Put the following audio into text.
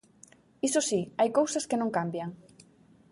Iso si, hai cousas que non cambian.